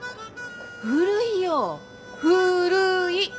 ふるいよふるい。